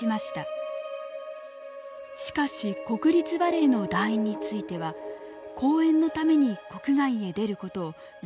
しかし国立バレエの団員については公演のために国外へ出ることを例外として認めたのです。